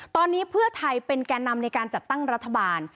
ตอนนี้เพื่อไทยเป็นแก่นำในการจัดตั้งรัฐบาล